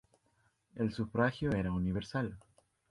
El sufragio era universal.